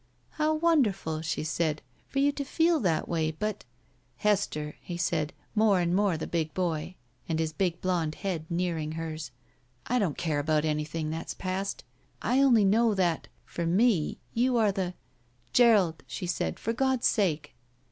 "How wonderful," she said, "for you to feel that way, but —" "Hester," he said, more and more the big boy, and his big blond head nearing hers, I don't care about anything that's past; I only know that, for me, you are the —" "Gerald," she said, "for God's sake!"